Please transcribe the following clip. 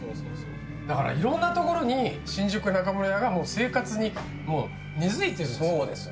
だからいろんなところに新宿中村屋が生活に根付いてるんですよ。